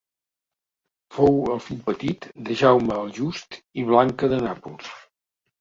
Fou el fill petit de Jaume el Just i Blanca de Nàpols.